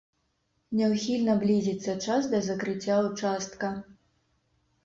Няўхільна блізіцца час да закрыцця ўчастка.